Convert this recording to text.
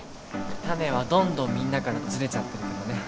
タネはどんどんみんなからずれちゃってるけどね。